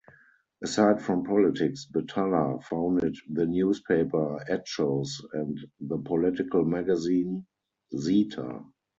Aside from politics, Batalla founded the newspaper "Hechos" and the political magazine "Zeta".